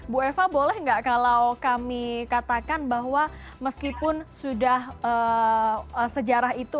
bu eva boleh nggak kalau kami katakan bahwa meskipun sudah sejarah itu